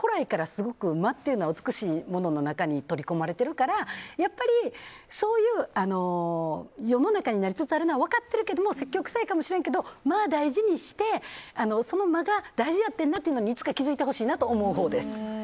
すごく間っていうのは美しいものの中に取り込まれてるからそういう世の中になりつつあるのは分かってるけども説教くさいかもしれないけど大事にして、その間が大事やってんなっていうのにいつか気づいてほしいなと思うほうです。